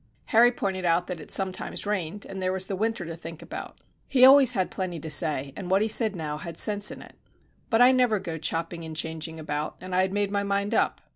Harry pointed out that it sometimes rained, and there was the winter to think about. He had always got plenty to say, and what he said now had sense in it. But I never go chopping and changing about, and I had made my mind up.